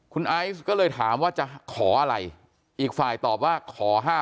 คุณไอซ์ก็เลยถามว่าจะขออะไรอีกฝ่ายตอบว่าขอ๕๐๐